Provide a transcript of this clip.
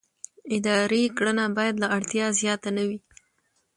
اداري کړنه باید له اړتیا زیاته نه وي.